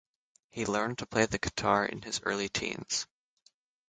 He learned to play the guitar in his early teens.